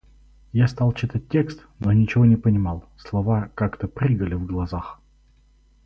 Я стал читать текст, но ничего не понимал, слова как-то прыгали в глазах.